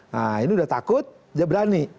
nah ini udah takut dia berani